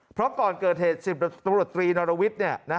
เพราะก่อนเกิดเหตุ๑๐ตำรวจตรีนรวิทย์